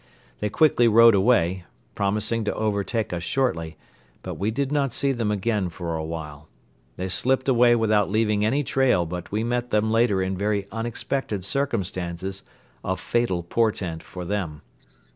They quickly rode away, promising to overtake us shortly, but we did not see them again for a while. They slipped away without leaving any trail but we met them later in very unexpected circumstances of fatal portent for them.